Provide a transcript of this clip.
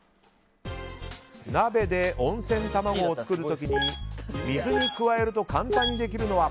鍋で温泉卵を作る時に水に加えると簡単にできるのは。